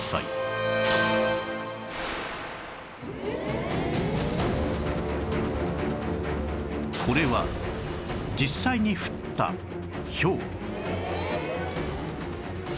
まずはこれは実際に降ったひょう